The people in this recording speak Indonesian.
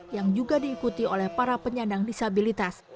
yang juga diikuti oleh para penyandang disabilitas